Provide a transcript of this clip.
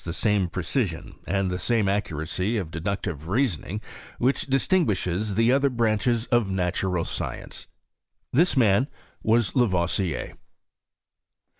the same precision, and the same Accuracy of deductive reasoning which distinguishes ^be other branches of natural science. This man was )jaToisier.